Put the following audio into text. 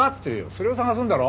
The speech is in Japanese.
それを捜すんだろ？